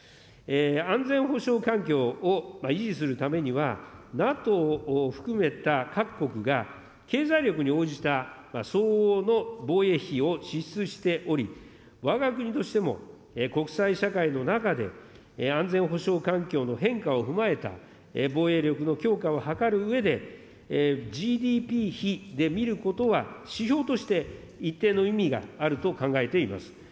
安全保障環境を維持するためには、ＮＡＴＯを含めた各国が経済力に応じた相応の防衛費を支出しており、わが国としても国際社会の中で安全保障環境の変化を踏まえた防衛力の強化を図るうえで、ＧＤＰ比で見ることは指標として一定の意味があると考えています。